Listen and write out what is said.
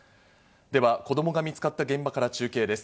では、子供が見つかった現場から中継です。